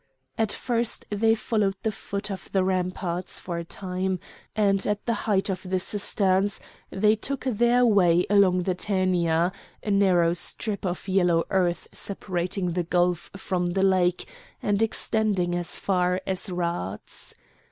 At first they followed the foot of the ramparts for a time, and at the height of the cisterns they took their way along the Tænia, a narrow strip of yellow earth separating the gulf from the lake and extending as far as Rhades.